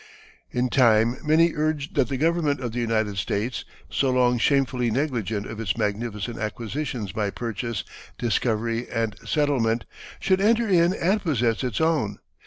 In time many urged that the government of the United States, so long shamefully negligent of its magnificent acquisitions by purchase, discovery, and settlement, should enter in and possess its own.